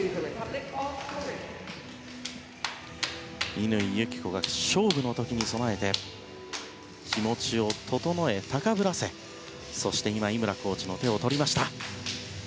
乾友紀子が勝負の時に備えて気持ちを整え、高ぶらせそして井村コーチの手を取りました。